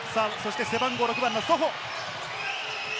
背番号６番のソホ。